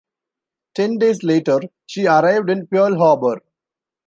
Ten days later, she arrived in Pearl Harbor.